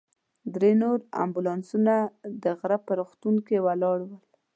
درې نور امبولانسونه د غره په روغتون کې ولاړ ول.